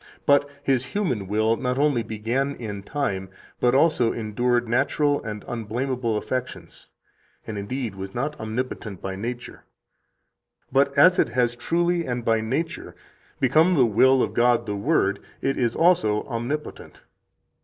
But His human will not only began in time, but also endured natural and unblamable affections, and indeed was not omnipotent by nature; but as it has truly and by nature become the will of God the Word, it is also omnipotent."